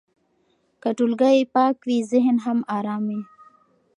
که ټولګی پاک وي، ذهن هم ارام وي.